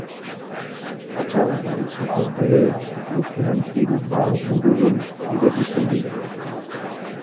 Fatxada nagusiko behe-gorputzean hiru bao burudun irekitzen dira.